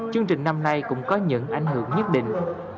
chương trình năm nay cũng có những ảnh hưởng nhất định